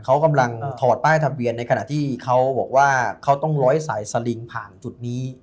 เขากำลังถอดบ้ายครบในขณะที่ต้องล้อยสายซาลิงข์ผ่านจุดนี้